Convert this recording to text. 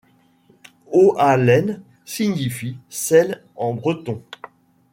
Hoalen signifie Sel en Breton.